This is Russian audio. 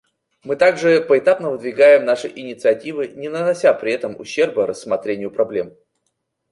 Мы также поэтапно выдвигаем наши инициативы, не нанося при этом ущерба рассмотрению проблем.